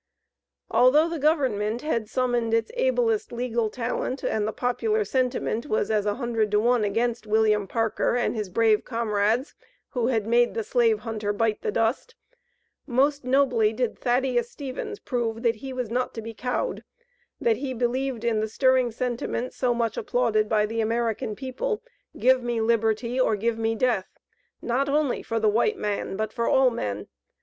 Although the government had summoned its ablest legal talent and the popular sentiment was as a hundred to one against William Parker and his brave comrades who had made the slave hunter "bite the dust," most nobly did Thaddeus Stevens prove that he was not to be cowed, that he believed in the stirring sentiment so much applauded by the American people, "Give me liberty, or give me death," not only for the white man but for all men.